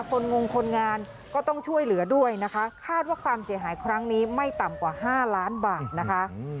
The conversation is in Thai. งงคนงานก็ต้องช่วยเหลือด้วยนะคะคาดว่าความเสียหายครั้งนี้ไม่ต่ำกว่า๕ล้านบาทนะคะ